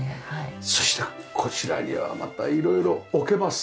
そしてこちらにはまたいろいろ置けます。